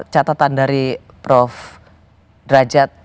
catatan dari prof derajat